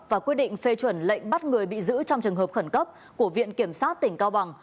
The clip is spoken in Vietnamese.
và quyết định phê chuẩn lệnh bắt người bị giữ trong trường hợp khẩn cấp của viện kiểm sát tỉnh cao bằng